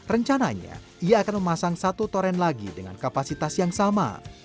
rencananya ia akan memasang satu toren lagi dengan kapasitas yang sama